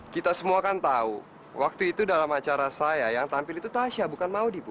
kita semua kan tahu waktu itu dalam acara saya yang tampil itu tasya bukan mau dipu